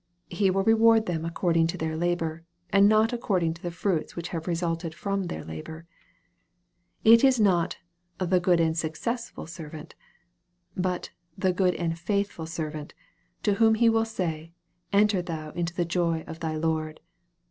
He will reward them according to their labor, and not according to the fruits which have resulted from their labor. It is not " the good and successful servant/' but " the good and faithful servant," to whom He will say, " Enter thou into the joy of thy Lord."